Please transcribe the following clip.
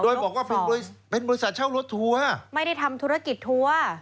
โดยบอกว่าเป็นบริษัทเช่ารถทัวร์ไม่ได้ทำธุรกิจทัวร์